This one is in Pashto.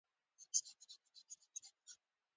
انګلیسي له ساده جملو پیلېږي